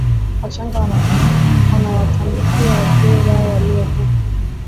wachaga wanawatambikia wazee wao waliyokufa